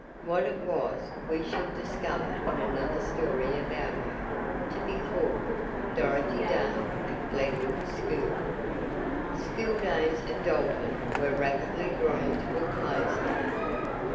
What it was we shall discover in another story about her, to be called, "Dorothy Dale at Glenwood School." Schooldays at Dalton were rapidly drawing to a close now.